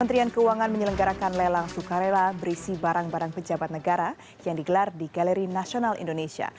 kementerian keuangan menyelenggarakan lelang sukarela berisi barang barang pejabat negara yang digelar di galeri nasional indonesia